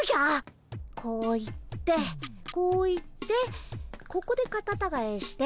こう行ってこう行ってここでカタタガエして。